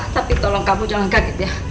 tapi tolong kamu jangan kaget ya